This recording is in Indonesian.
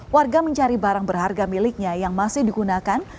warga mencari barang berharga miliknya yang masih digunakan